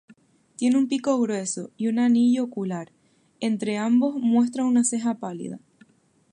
Tiene un pico grueso, y un anillo ocular; entre ambos muestra una ceja pálida.